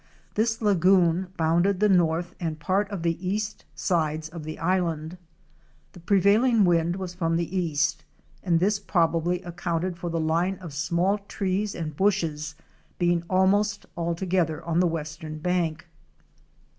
This lagoon bounded the north and part of the east sides of the island. The prevailing wind was from the east and this probably accounted for the line of small trees and bushes being almost altogether on the western bank.